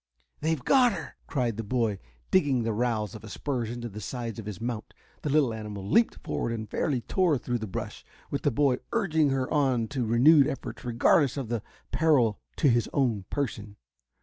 "They've got her!" cried the boy, digging the rowels of his spurs into the sides of his mount. The little animal leaped forward and fairly tore through the brush, with the boy urging her on to renewed efforts regardless of the peril to his own person.